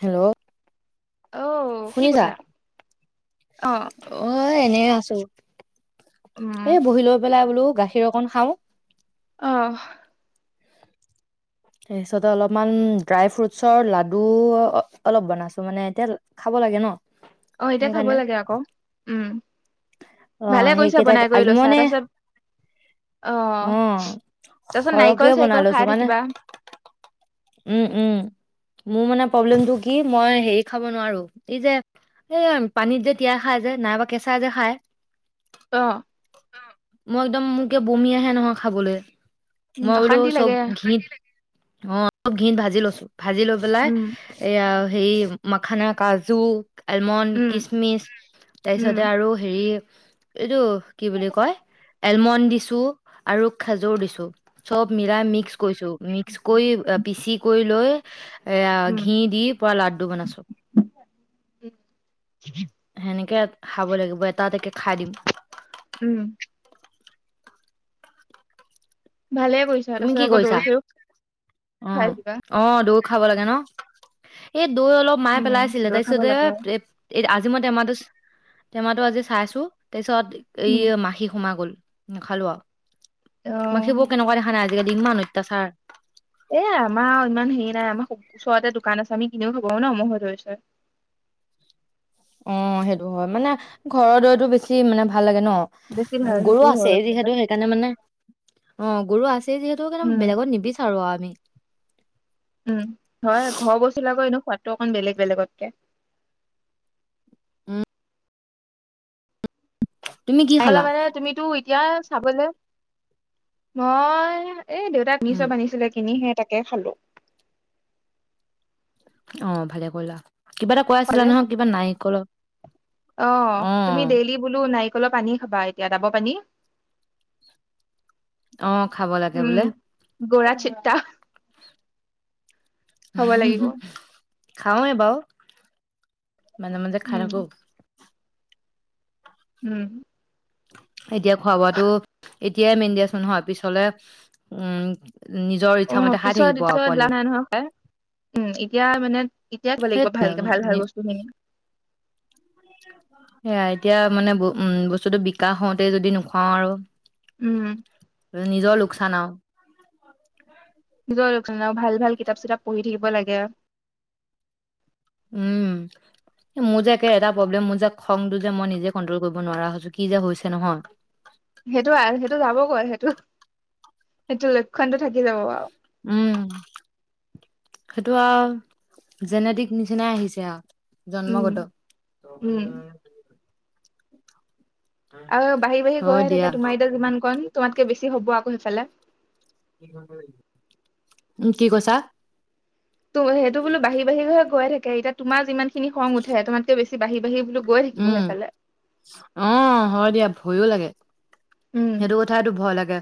Hello. অউ কি শুনিছা? কৈছা? আহ। এ এনে আছো। উম এ বহি লৈ পেলাই বোলো গা ক্ষীৰ অকণ খাওঁ। অহ। তাৰপিছতে অলপমান ড্ৰাই ফ্ৰুটছৰ লাডু অ অলপ বনাইছো মানে এতিয়া খাব লাগে ন? অ এতিয়া খাব সেইকাৰণে লাগে আকৌ উম, অ' ভালে কৰিছা সেইকেইটাকে বনাই কৰি আজি লৈছা মানে তাছত আহ অ' তাছত সৰহকে নাৰিকল - বনাই চাৰিকল লৈছো খাই মানে থাকিবা। উম উ, ম মোৰ মানে প্ৰব্লেমটো কি মই হেৰি খাব নোৱাৰো এই যে এই পানীত যে তিয়াই খায় যে নাইবা কেঁচা যে খায়? অ। মই একদম মোকে বমি আহে নহয় খাবলৈ। উম মই বোলো অশান্তি চব লাগে ঘি অ। ঘিত ভাজি লৈছো। ভাজি লৈ পেলাই উম এইয়া সেই মাখানা, কাজু। এলমণ্ড, উম কিচমিচ উম তাৰপিছতে আৰু হেৰি এইটো কি বুলি কয় এলমণ্ড দিছো আৰু খাজুৰ দিছো চব মিলাই মিক্স কৈছো মিক্স কৈ আ কি কৰি লৈ এয়া উম ঘি দি পুৰা লাডু বনাইছো সেনেকে। খাব লাগিব, এটা তকে খাই দিম। উম। ভালে কৰিছা তুমি আৰু কি তাৰপিছত আকৌ কৰিছা? দৌৰ - চৌৰ অ', খাই চিবা। অ', দৈ খাব লাগে ন। এ দৈ অলপ মায়ে উম পেলাই আছিলে দৈ খাব তাৰপিছতে লাগে এ এ আজি মই টেমাটো তেমাতো আজি চাইছো। তাৰপিছত এই উম মাখি সোমাই গ'ল। নেখালোৱা। মাখি বো অ' কেনেকুৱা দে আজিকালি ইমান অত্যাচাৰ। এ আমাৰ ইমান হেৰি নাই আমাৰ ওচৰতে দোকান আছে আমি কিনিও খব আৰু ন মই ধৰিছ। অ সেইটো হয় মানে ঘৰৰ দৈটো বেছি মানে ভা ভাল লাগে ন, বেছি ভাল গৰু সেইটোও হয় আছে যেনিবা যিহেতু সেইকাৰণে মানে অ গৰু আছে। যি যিহেতু কাৰণ উম বেলেগত নিবিচাৰো আৰু। নে উম হয় ঘৰ বস্তুবিলাকৰ এনেও সোৱাদটো সিমান বেলেগ বেলেগতকে। তুমি কি খালা? [unintelligible] তুমিতো এতিয়া চাবলে মই এ দেউতাই কনি উম চব আনিছিলে কিনিহে তাকে খালোঁ। অ ভালে কৰিলা। কিবা এটা কৈ আছিলা নহই কিবা নাৰিকলৰ অলপ পানী খাবা এতিয়া ডাব পানী অ খাব লাগে বোলে। গোৰা চিট্টা। খাওঁ এ বাউ মাজে মাজে খাই উম থাকো। উম এতিয়া খোৱা বোৱাটো এতিয়াই মেইন দিয়াচোন। নহয় পিছলে উম নিজৰ অ, ইচ্ছামতে খাই পিছত, থাকিব আৰু পিছত পোৱালি লাভ নাই নহয় খাই। উম, এতিয়া মানে এতিয়াই খাব লাগিব সেইটোৱে ভালকে ভাল-ভাল উম, বস্তুখিনি। সেয়া এতিয়া মানে উম বস্তুটো বিকাশ হওঁতে যদি নুখুৱাও আৰু। উম নিজৰ লোক লোকচান আও। নিজৰ লোকচান আও। ভাল-ভাল কিতাপ-চিতাপ পঢ়ি থাকিব লাগে। উম মোৰ যে একে এটা প্ৰব্লেম, মোৰ যে খংটো যে মই নিজে কন্ট্ৰল কৰিব নোৱাৰা হৈছো। কি যে হৈছে নহয়। সেইটো, সেইটো যাবগৈ। সেইটো সেইটো লক্ষণতটো থাকি যাব আৰু। উম। সেইটো আৰু জেনেটিক নিচিনাই আহিছে আৰু। উম জন্মগত। উম আৰু বাঢি বাঢ়ি হয় গৈহে দিয়া থাকে। তোমাৰ এতিয়া যিমান কণ, তোমাতকে বেছি হব আকৌ সেইফালে। উম, কি কৈছা? তো সেইটো বোলো বাহি বাাহি হে গৈ থাকিব। এতিয়া তোমাৰ যিমান খিনি খং উঠে। তোমাতকে বেছি বাঢ়ি বাঢ়ি বুলো উম। অ, হয় দিয়া ভয়ো লাগে। [inaudible] উম সেইটো কথাইতো ভয় লাগে।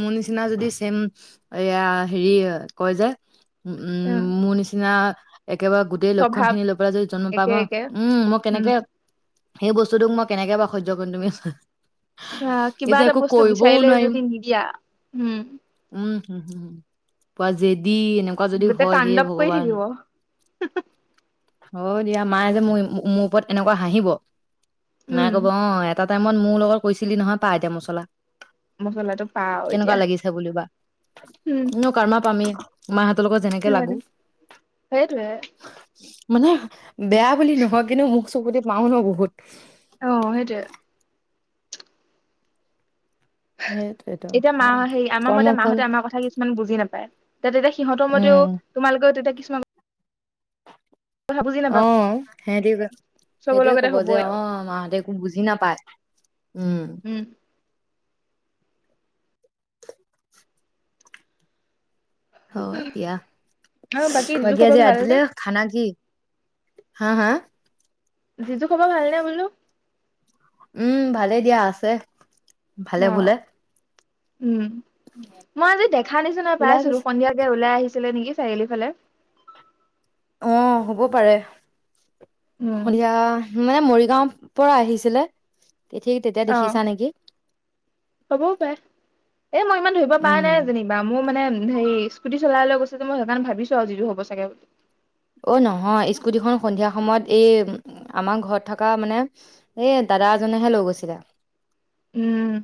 মোৰ নিচিনা যদি ছেম, এয়া হেৰি কয় যে উ উম। মোৰ নিচিনা একেবাৰে গোটেই লক্ষণ স্বভাৱ খিনি লৈ পেলাই যদি জন্ম পাব, একে মই একে উম মই উম কেনেকে সেই বস্তুটোক মই কেনেকে বা সহ্য কৰিম তুমিয়ে চোৱা অ। কিবা এটা বস্তু বিচাৰিলে যদি নিদিয়া, হম উম হম হুমম পজ দি এনেকুৱা যদি গোটেই হয়, হে তাণ্ডৱ কৰি ভগৱান থাকিব হয়। দিয়া মায়ে যে মোৰ মোৰ ওপৰত এনেকুৱা হাঁহিব। মাই উম কব অ এটা টাইমত মোৰ লগত কৈছিলি নহয়। পা এতিয়া মছলা। মচলাটো পাও কেনেকুৱা এতিয়া লাগিছে বুলিবা। উম এনেও কাৰৰ্মা পামে। মা ত লগত যেনেকে লাগো। সেইটোয়ে মানে বেয়া বুলি নহয় কিন্তু মোক চকুতে পাও ন বহুত। অ সেইটো সেইটোৱেতো এতিয়া সেয়া মাহ হেৰি আমাৰ মতে এতিয়া কৰ্মফল মাহঁতে আমাৰ কথা কিছুমান বুজি নাপায়। তাত তেতিয়া সিহঁতৰ মতেও উম তোমালোকৰ তেতিয়া কিছুমান কথা বুজি নাপায় অ'হ সিহতে চবৰ সেইটয়ে লগতে কব যে হ'বই আৰু। অ মাহঁতে একো বুজি নাপায়, উম। [inaudible] হয় এ দিয়া, আৰু জিজু বাকী খবৰ আজি ভালনে? ৰাতিলে খানা কি? হা? হা? যিটো খবৰ ভালনে বোলো? উম ভালেই দিয়া, আছে। ভালে বোলে। অ', উম, মই আজি দেখা নিচিনা ওলাই পাইছিলোঁ গৈছে সন্ধিয়াকে ওলাই আহিছোঁ। ছিলে নেকি চাৰিআলি ফালে। অ হ'ব পাৰে। উম, হৈয়া মানে মৰিগাঁও পৰা আহিছিলে। তেতিয়া অ', দেখিছা নেকি? হ'বও পাৰে এ মই ইমান ধৰিব পৰা উম নাই যেনিবা, মোৰ মানে হেৰি স্কুটি চলাই লৈ গৈছে যে, মই সেইকাৰনে ভাবিছো আৰু যিটো হ'ব চাগে। অ', নহয়, স্কুটিখন সন্ধিয়া সময়ত এই আমাৰ ঘৰত থকা মানে এই দাদা এজনেহে লৈ গৈছিলে। উম'!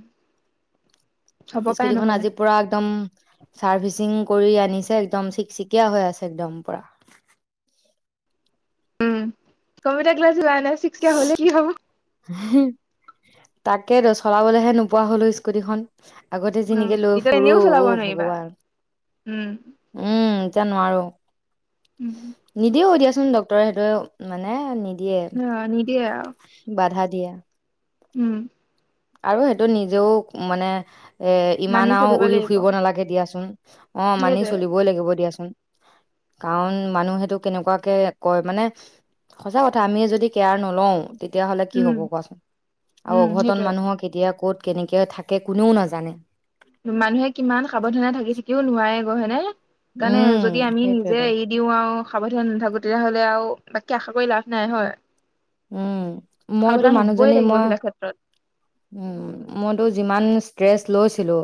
হ'ব পাৰে স্কুটি খন নহ'লে। আজি পুৰা একদম, চাৰ্ভিচিং কৰি আনিছে, একদম চিকচিকিয়া হৈ আছে একদম পুৰা। উম', কম্পিউটাৰ ক্লাছ যোৱা নাই চিকচিকিয়া হলে কি হব, - তাকেই টো, চলাবলেহে নোপোৱা হ'লোঁ স্কুটিখন। আগতে উম, যিনিকে লৈ এতিয়া ফুৰো এনেও অ চলাব ', নোৱাৰিবা। ভগৱান উম, উম', এতিয়া নোৱাৰোঁ। উম। নিদিও এতিয়া, কোন ডক্টৰে সেইটো মানে নিদিয়ে হ', নিদিয়ে আৰু বাধা দিয়া। উম', আৰু সেইটো নিজেও মানে, - মানি ইমান আৰু চলিব উৰি লাগিব ফুৰিব নালাগে দিয়াচোন। অ ', মানি সেইটোৱে চলিবই লাগিব দিয়াচোন। কাৰণ মানুহেটো কেনেকুৱাকে কয় মানে, সঁচা কথা আমিয়ে যদি কেয়াৰ নলও, তেতিয়াহ'লে কি হ'ব উম। কোৱাচোন আৰু উম অঘট, কোন সেইটোয়ে মানুহক কেতিয়া ক'ত, - কেনেকে থাকে, কোনেও নাজানে। মানুহে কিমান সাৱধানে থাকি -থাকিও নোৱাৰে। অ', হয়নে? কাৰণে উম যদি আমি নিজে সেইটোৱেতো এৰি দিও আৰু সাৱধান নাথাকো তেতিয়াহলে আৰু, বাকী আশা কৰি লাভ নাই হয়। উম', মইতো সাৱধান হবই মানুহজনী লাগিব মই, এইবিলাক ক্ষেত্ৰত উম ', মইতো যিমান ইচ, ষ্ট্ৰেছ লৈছিলোঁ,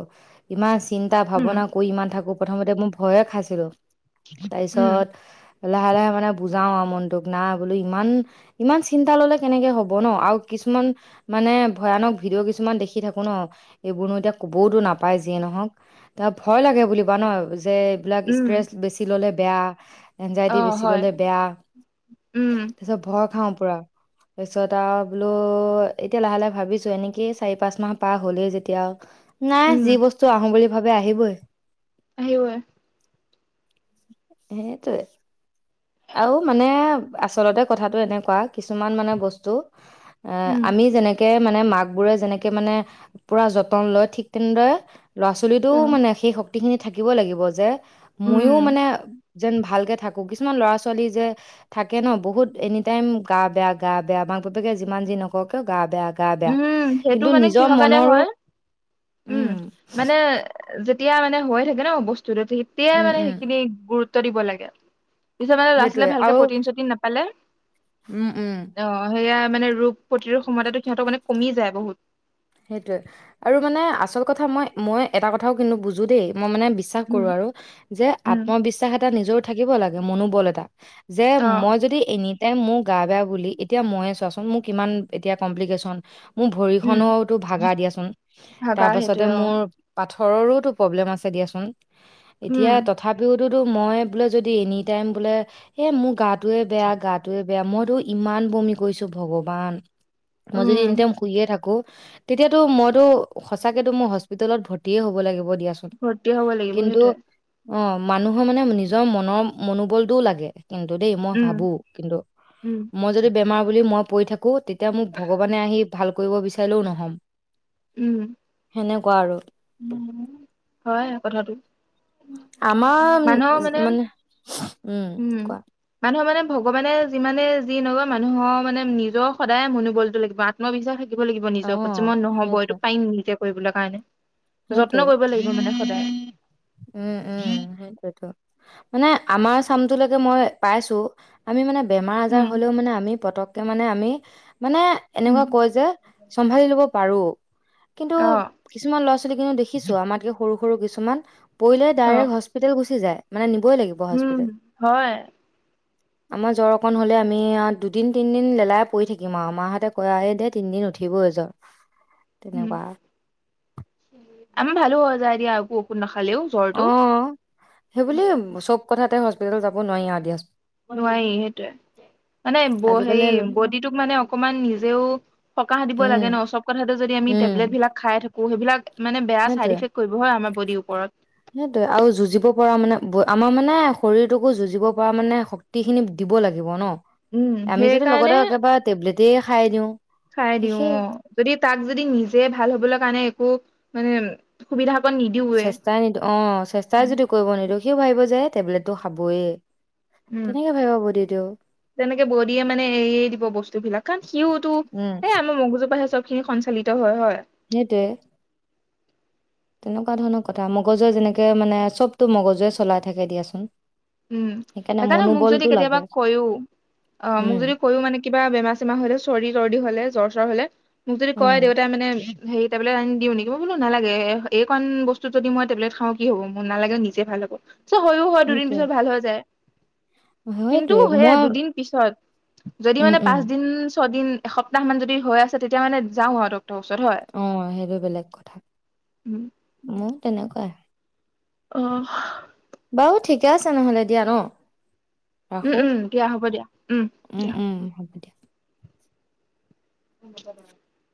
ইমান, - চিন্তা- উম ভাৱনা কৰি ইমান থাকো, প্ৰথমতে মোৰ ভয়ে খাইছিলো, উম তাৰপিছত, - লাহে- লাহে মানে বুজাও আৰু মনটোক নাই বোলো ইমান, ইমান চিন্তা ললে কেনেকে হব ন', আৰু কিছুমান মানে ভয়ানক ভিডিঅ' কিছুমান দেখি থাকো ন',। এইবোৰনো এতিয়া কবওতো নাপাই যিয়ে নহক ত', ভয় লাগে বুলিবা ন',। যে, এইবিলাক উম ষ্ট্ৰেছ বেছি ল'লে, বেয়া, এনজাইটি অ বেছি হয় ললে বেয়া। উম তাৰপিছত ভ খাও পুৰা তাৰপিছত আৰু বোলো এতিয়া লাহে-লাহে ভাবিছো এনেকি চাৰি পাঁচ মাহ পাৰ হলেই যেতিয়া, নাই যি উম বস্তু আহো বুলি ভাৱ আহিবই। আহিবই। সেইটোৱে। আৰু মানে আচলতে কথাটো এনেকুৱা কিছুমান মানে বস্তু, এ উম আমি যেনেকে মানে মাক বোৰে যেনেকে মানে পুৰা যতন লয়, ঠিক তেনেদৰে ল'ৰা-ছোৱালীটোও অ মানে সেই শক্তি গোটেইখিনি থাকিব লাগিব, যে উম ময়ো মানে যেন ভালকে থাকো কি কিছুমান ল'ৰা-ছোৱালী যে থাকে ন বহুত এনি টাইম গা বেয়া, গা বেয়া মাক বাপেকে যিমান যি নকৰওঁ কিয়ও গা বেয়া। গা বেয়া উম', সেইটো কিন্তু মানে নিজৰ কিহৰ কাৰণে মনৰো হয়, উম মানে এতিয়া মানে হৈ থাকে ন বস্তু তেতিয়াই, উম মানে উম সেইখিনি গুৰুত্ব উত দিব লাগে। পিছত মানে সেইটোৱে ল'ৰা-ছোৱালীয়ে ভালকে আৰু প্ৰটিন চটিন নাপালে উম উম অ সেয়া মানে ৰোগ প্ৰতিৰোধ ক্ষমতাটো সিহঁতক মানে কমি যায় বহুত। সেইটোৱে আৰু মানে আচল কথা মই-মই এটা কথাও কিন্তু বুজো দেই। মই মানে বিশ্বাস কৰো উম আৰু যে, উম আত্মবিশ্বাস এটা নিজৰ থাকিব লাগে, মনোবল এটা। যে অ মই যদি এনি তে মোৰ গা বেয়া বুলি এতিয়া ময়ে চোৱাচোন মোৰ কিমান এতিয়া কমপ্লিকেশ্যন, মোৰ উম ভৰিখনত ভাগা দিয়াচোন, ভাগা তাৰ পাছতে সেইটোৱে অ মোৰ, পাথৰৰো টো প্ৰব্লেম আছে দিয়াচোন। এতিয়া উম তথাপিওতোতো মই বোলে যদি এনি টাইম বোলে এ মোৰ গটোৱে বেয়া, গটোৱে বেয়া মইতো ইমান বমি কৰিছো ভগৱান। মই উম যদি এনি টাইম শুইয়ে থাকো, তেতিয়াতো মইতো সঁচাকেতো মোৰ হস্পিতলত ভৰ্তিয়ে হ'বই লাগিব। দিয়া চোন ভৰ্তি হব লাগিব কিন্তু সেইটোৱে অ' মানুহৰ মানে নিজৰ মনৰ মনোবলটোও লাগে। কিন্তু দেই মই ভাবো, উম কিন্তু উম মই যদি বেমাৰ বুলি মই। পৰি থাকো, তেতিয়া মোক ভগৱানে আহি ভাল কৰিব বিচাৰিলেও নহ'ম। উম। সেনেকুৱা আৰু। হয় কথাটো আমাৰ মানে উম কোৱা। মানুহৰ মানে ভগৱানে যিমানে যি মানুহৰ মানে নিজৰ সদায় মনোবলটো লাগিব আত্মবিশ্বাস। িব লাগিব নিজৰ ওপৰত যে অ' মই নহব সেইটোৱে এইটো পিম নিজয়া। কৰিব কাৰনে। যত্ন সেইটোৱে কৰিব লাগিব মানে সদায়। উম উম সেইটয়েতো মানে। আমাৰ চামটোলৈকে মই পাইছোঁ আমি মানে। বেমাৰ আজাৰ উম হ'লেও মানে আমি পতকে। তেতিয়া মানে আমি হে মানে এনেকুৱা উম কয় যে চম্ভালি লব। পাৰোঁ। কিন্তু অ কিছুমান ল'ৰা ছোৱালী কিন্তু দেখিছো আমাতকে সৰু। সৰু কিছুমান। পৰিলে অ ডাইৰেক্ট হস্পিতেল গুচি যায়। মানে। নি উম হয়। আমাৰ জ্বৰ অকণ হলে আমি দুদিন তিনদিন লেলাই পৰি থাকিম আৰু মা হঁতে কৈ আ তিনদিন উঠিবই জ্বৰ। তেনেকুৱা। আমি ভালো হৈ যায় দিয়া একো ঔষধ না অ সেই বুলি চব কথাতে হস্পিতেল হস্পিতেল যাব নোৱাৰি দিয়া চোন নোৱাৰি সেইটোয়ে আজিকালি মানে বডিটোক মানে অকমান নিজেও সকাহ দিব উম লাগে ন, চব কথাতে যদি আমি উম টেবলেট বিলাক খাই থাকো। সেইবিলাক। মানে বেয়া চাইড সেইটোৱে ইফেক্ট কৰিব হয় আমাৰ বডিৰ সেইটোৱে আৰু ওপৰত। যুঁজিব পৰা মানে আমাৰ মানে, শৰীৰটোকো যুঁজিব পৰা মানে শক্তিখিনি দিব লাগিব ন। উম আমি যদি লগতে সেইকাৰণে একেবাৰে টেবলেটেই খাই দিওঁ চাই দিওঁ শেষেই অ যদি তাক যদি নিজে ভাল হবলৈ কাৰণে একো। মানে সুবিধা। অকণ নিদিওৱে চেষ্টাই নিদিওঁ অ চেষ্টাই যদি কৰিব নিদো অ সিও ভাবিব যে টেবলেটটো খাবয়ে। উম তেনেকে ভাবিব বডিটোৱেও তেনেকে বদিয়ে মানে এৰিয়ে দিব বস্তু বিলাক কাৰণ সিওতো উম সে আমাৰ মগজপা হে চব সি সঞ্চালিত হয় হয় সেইটো তেনেকুৱা ধৰণৰ কথা মগজুৱে যেনেকে মানে চবতটো মগজুৱে চলাই থাকে দিয়াচোন উম সেইকাৰণে মোক মনোবলটো যদি লাগে কেতিয়াবা কয়ও অ উম মোক যদি কয়ও মানে কিবা বেমাৰ চেমাৰ হলে চৰ্দি তৰ্দি হলে জ্বৰ চ্বৰ হলে মোক যদি উম কয় দেউতাই মানে সেই টেবলেট আনি দিওঁ নেকি মই বোলো নালাগে এইকণ বস্তুত যদি মই টেবলেট খাওঁ কি হ'ব মোৰ নালাগে নিজে ভাল হ'ব চৌ হয়ও হয় দুদিন সেইটোৱে পিছত ভাল হৈ যায় কিন্তু সেইটোৱে সেয়া মই দুদিন পিছত যদি উম মানে উম পাঁচ দিন ছয়দিন এসপ্তাহ মান যদি হৈ আছে তেতিয়া যাওঁ আৰু ডক্তৰৰ ওচৰত হয় অঁ সেইটো বেলেগ কথা উম মোৰ তেনেকুৱাই আঁহ বাৰু ঠিকে আছে নহলে দিয়া ন উম ৰাখোঁ। উম দিয়া হ'ব দিয়া উম দিয়া উম হ'ব দিয়া। উম